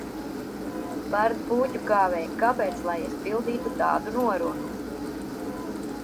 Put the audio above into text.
Bard, Pūķu Kāvēj, kāpēc lai es pildītu tādu norunu?